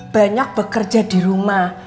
banyak bekerja di rumah